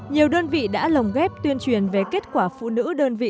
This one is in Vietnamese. nhiều đơn vị đã lồng ghép tuyên truyền về kết quả phụ nữ đơn vị